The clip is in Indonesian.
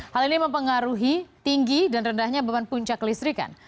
hal ini mempengaruhi tinggi dan rendahnya beban puncak listrikan